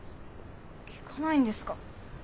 聞かないんですか？